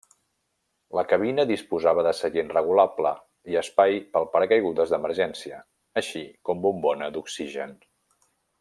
La cabina disposava de seient regulable i espai pel paracaigudes d'emergència, així com bombona d'oxigen.